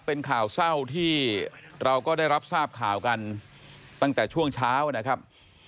เป็นข่าวเศร้าที่เราก็ได้รับทราบข่าวกันตั้งแต่ช่วงเช้านะครับ